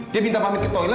terima kasih mila